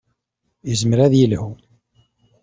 Yezmer ad yelhu.